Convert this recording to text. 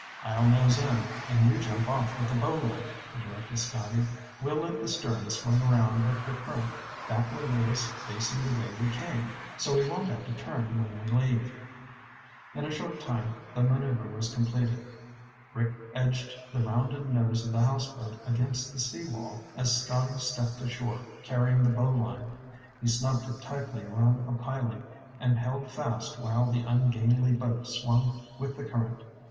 "I'll nose in, and you jump off with a bowline," he directed Scotty. "We'll let the stern swing around with the current. That will leave us facing the way we came, so we won't have to turn when we leave." In a short time the maneuver was completed. Rick edged the rounded nose of the houseboat against the seawall as Scotty stepped ashore carrying the bowline. He snubbed it tightly around a piling and held fast while the ungainly boat swung with the current.